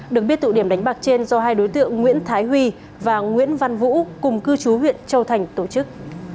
được biết tụ điểm đánh bạc trên do hai đối tượng nguyễn thái huy và nguyễn văn vũ cùng cư chú huyện châu thành tổ chức